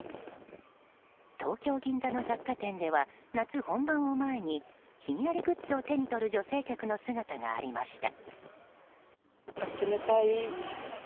東京・銀座の雑貨店では夏本番を前にひんやりグッズを手に取る女性客の姿がありました。